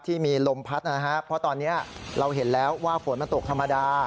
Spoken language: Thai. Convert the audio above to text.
ที่มีลมพัดนะครับเพราะตอนนี้เราเห็นแล้วว่าฝนมันตกธรรมดา